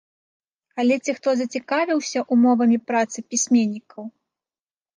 Але ці хто зацікавіўся ўмовамі працы пісьменнікаў?